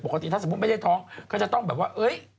ปกติถ้าสมมุติไม่ได้ท้องเค้าจะต้องแบบว่า